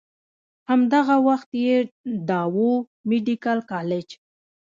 هم دغه وخت ئې ډاؤ ميډيکل کالج